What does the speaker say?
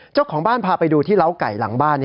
เจ้าของบ้านพาไปดูที่เล้าไก่หลังบ้าน